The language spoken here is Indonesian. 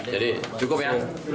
jadi cukup ya